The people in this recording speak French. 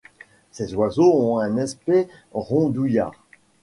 Ces oiseaux ont un aspect rondouillard.